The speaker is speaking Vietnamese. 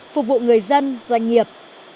phục vụ người dân doanh nghiệp